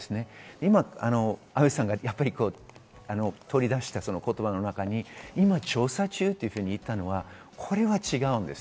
今、阿部さんが取り出した言葉の中に今、調査中というふうに言ったのはこれは違うんです。